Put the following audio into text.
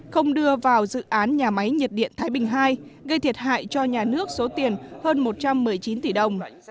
không đưa vào dự án nhà máy nhiệt điện thái bình ii gây thiệt hại cho nhà nước số tiền hơn một trăm một mươi chín tỷ đồng